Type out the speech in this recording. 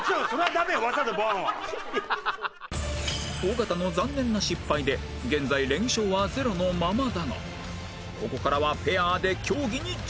尾形の残念な失敗で現在連勝はゼロのままだがここからはペアです次から。